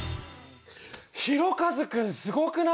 ひろかず君すごくない？